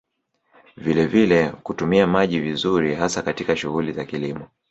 Vilevile kutumia maji vizuri hasa katika shughuli za kilimo